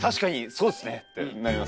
そうですね！」ってなります。